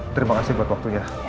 terima kasih buat waktunya